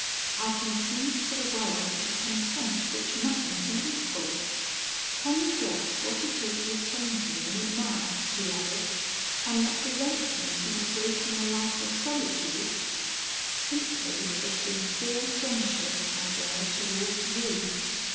I conceived for the world a contempt which nothing can equal. Can you guess what it is retains me in it now,' he added, 'and that prevents me from embracing a life of solitude? Simply the sincere friendship I bear towards you.